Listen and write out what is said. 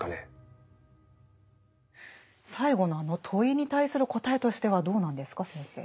最後のあの問いに対する答えとしてはどうなんですか先生。